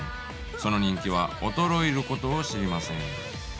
その人気は衰えることを知りません。